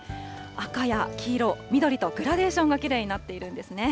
赤や黄色、緑とグラデーションがきれいになっているんですね。